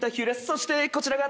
そしてこちらが。